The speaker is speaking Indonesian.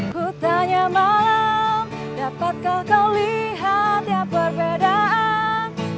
kutanya malam dapatkah kau lihat ya perbedaan